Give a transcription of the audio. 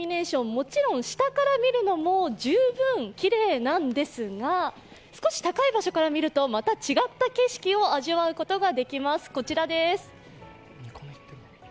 もちろん下から見るのも十分きれいなんですが少し高い場所から見ると、また違った景色を味わうことができます。